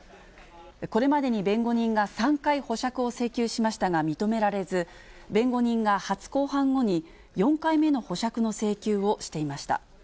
これまでに弁護人が３回保釈を請求しましたが認められず、弁護人が初公判後に、４回目の保釈の請求をしていました。